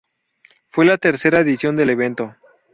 Fue la tercera edición del evento.